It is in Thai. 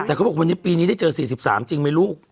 แต่เขาบอกวันนี้ปีนี้ได้เจอ๔๓จริงไหมลูก